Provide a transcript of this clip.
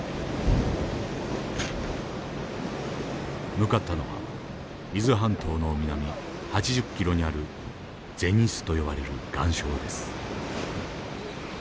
向かったのは伊豆半島の南８０ｋｍにある銭洲と呼ばれる岩礁です。